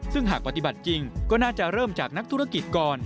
ซึ่งหากปฏิบัติจริงก็น่าจะเริ่มจากนักธุรกิจก่อน